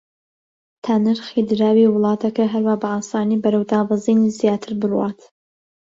تا نرخی دراوی وڵاتەکە هەروا بە ئاسانی بەرەو دابەزینی زیاتر بڕوات